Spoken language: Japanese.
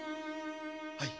はい。